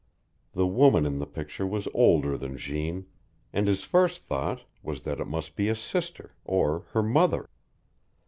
The woman in the picture was older than Jeanne, and his first thought was that it must be a sister, or her mother.